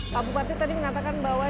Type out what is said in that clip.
pak bupati tadi mengatakan bahwa